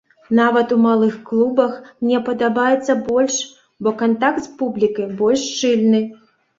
Нават у малых клубах мне падабаецца больш, бо кантакт з публікай больш шчыльны.